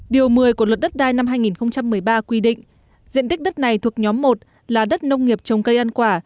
điều một mươi của luật đất đai năm hai nghìn một mươi ba quy định diện tích đất này thuộc nhóm một là đất nông nghiệp trồng cây ăn quả